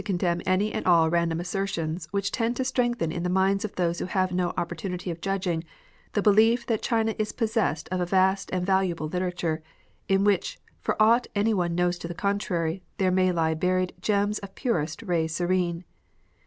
25 condemn any and all random assertions which tend to strengthen in the minds of those who have no oppor tunity of judging, the belief that China is possessed of a vast and valuable literature, in which, for aught any one knows to the contrary, there may lie buried gems of purest ray serene.